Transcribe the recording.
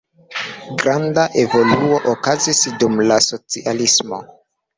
Granda evoluo okazis dum la socialismo.